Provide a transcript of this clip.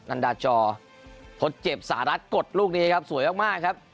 ันดาจอทดเจ็บสหรัฐกดลูกนี้ครับสวยมากครับ